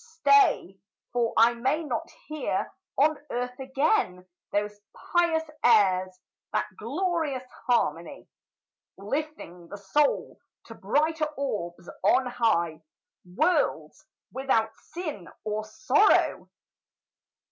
Stay, for I may not hear on earth again Those pious airs that glorious harmony; Lifting the soul to brighter orbs on high, Worlds without sin or sorrow!